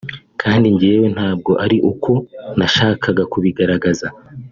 kandi njyewe ntabwo ari uko nashakaga kubigaragaza